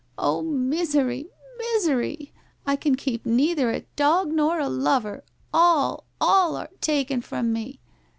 ' Oh, misery ! Misery ! I can keep neither a dog nor a lover! All, all, are taken from me!'